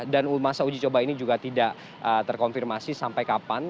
dan masa uji coba ini juga tidak terkonfirmasi sampai kapan